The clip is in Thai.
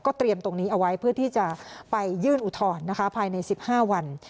เตรียมตรงนี้เอาไว้เพื่อที่จะไปยื่นอุทธรณ์นะคะภายใน๑๕วัน